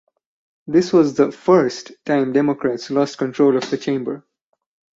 This was the "first" time Democrats lost control of the chamber.